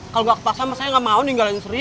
kalau gak kepaksa emang saya gak mau ninggalin sri